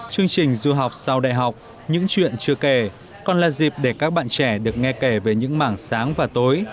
chương trình du học sau đại học những chuyện chưa kể còn là dịp để các bạn trẻ được nghe kể về những mảng sáng và tối